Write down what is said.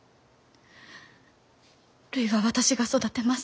るいは私が育てます。